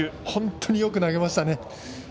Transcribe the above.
本当によく投げましたね。